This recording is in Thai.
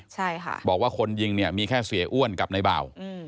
ใช่ค่ะบอกว่าคนยิงเนี่ยมีแค่เสียอ้วนกับในเบา